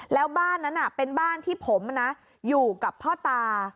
แล้วบ้านนั้นเป็นบ้านที่ผมอยู่กับพ่อตา